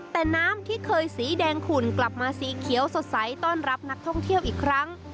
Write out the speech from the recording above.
แต่น้ำที่เคยสีแดงขุ่นกลับมาสีเขียวสดใสต้อนรับนักท่องเที่ยวอีกครั้ง